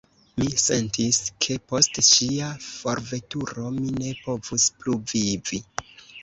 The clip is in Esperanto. Mi sentis, ke post ŝia forveturo, mi ne povus plu vivi.